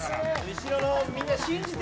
後ろのみんな信じて。